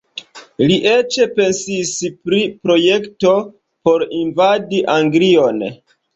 Li eĉ pensis pri projekto por invadi Anglion.